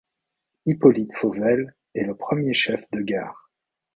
Hyppolite Fauvel est le premier chef de gare.